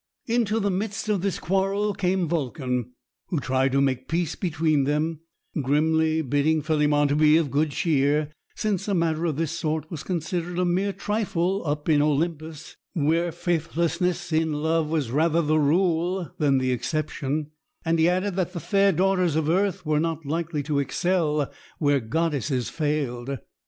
Into the midst of this quarrel came Vulcan, who tried to make peace between them, grimly bidding Philemon to be of good cheer, since a matter of this sort was considered a mere trifle up in Olympus, where faithlessness in love was rather the rule than the exception; and he added that the fair daughters of earth were not likely to excel where goddesses failed.